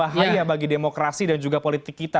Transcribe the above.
dampaknya seberapa bahaya bagi demokrasi dan juga politik kita